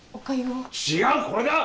違うこれだ！